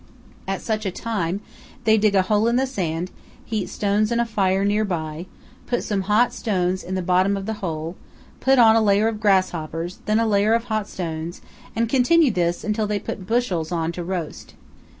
At such a time, they dig a hole in the sand, heat stones in a fire near by, put some hot stones in the bottom of the hole, put on a layer of grasshoppers, then a layer of hot stones, and continue this, until they put bushels on to roast.